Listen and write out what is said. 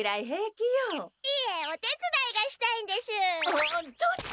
あっちょっと？